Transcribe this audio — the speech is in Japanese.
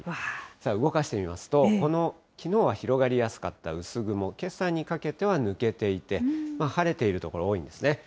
動かして見ますと、きのうは広がりやすかった薄雲、けさにかけては抜けていて、晴れている所、多いんですね。